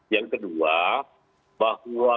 yang kedua bahwa